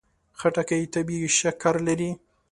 خټکی طبیعي شکر لري.